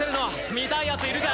見たいやついるか？